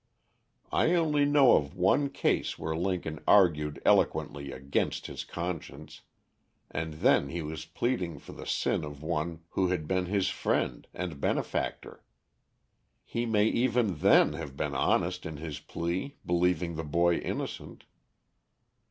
I only know of one case where Lincoln argued eloquently against his conscience, and then he was pleading for the sin of one who had been his friend and benefactor. He may even then have been honest in his plea, believing the boy innocent.